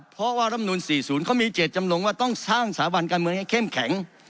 เพราะว่ารำนูล๔๐เขามีเจตจำนงว่าต้องสร้างสถาบันการเมืองให้เข้มแข็ง